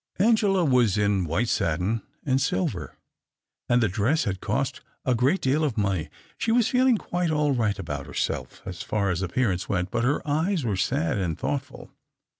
Angela was in white satin and silver, and the dress had cost a great deal of money. She was feeling quite all right about herself, as far as appearance went. But her eyes were sad and thoughtful.